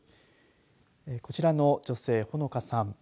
こちらの女性、ほのかさん。